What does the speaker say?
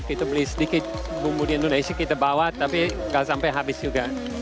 kita beli sedikit bumbu di indonesia kita bawa tapi nggak sampai habis juga